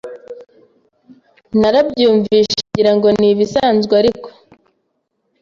Narabyumvise ngirango ni ibisanzwe ariko